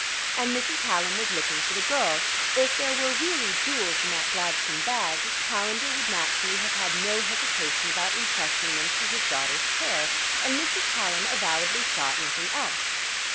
And Mrs. Hallam was looking for the girl; if there were really jewels in that gladstone bag, Calendar would naturally have had no hesitation about intrusting them to his daughter's care; and Mrs. Hallam avowedly sought nothing else.